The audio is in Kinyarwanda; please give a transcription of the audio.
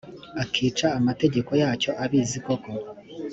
akica amategeko yacyo abizi koko